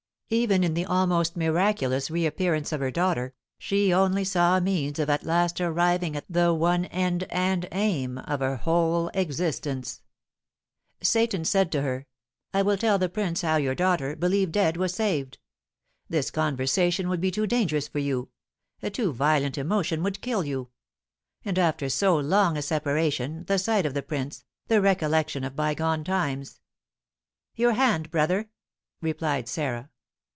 Even in the almost miraculous reappearance of her daughter, she only saw a means of at last arriving at the one end and aim of her whole existence. Seyton said to her, "I will tell the prince how your daughter, believed dead, was saved. This conversation would be too dangerous for you, a too violent emotion would kill you; and after so long a separation, the sight of the prince, the recollection of bygone times " "Your hand, brother!" replied Sarah.